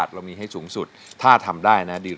ขอบคุณครับ